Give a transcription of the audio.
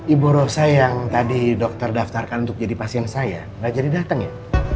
ibu rosa yang tadi dokter daftarkan untuk jadi pasien saya nggak jadi datang ya